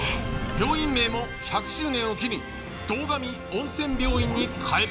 病院名も１００周年を機に堂上温泉病院に変える。